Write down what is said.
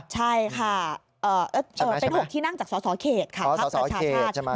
ใช่ค่ะเป็น๖ที่นั่งจากสสเขตค่ะภักดิ์ประชาชาติ